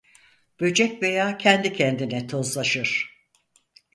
Böcek veya kendi kendine tozlaşır.